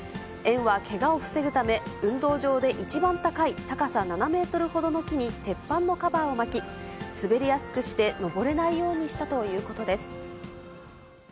園はけがを防ぐため、運動場で一番高い、高さ７メートルほどの木に鉄板のカバーを巻き、滑りやすくして、登れないようにしたということです。